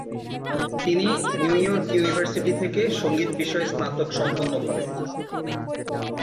তিনি New York University থেকে সঙ্গীত বিষয়ে স্নাতক সম্পন্ন করেন।